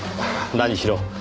何しろ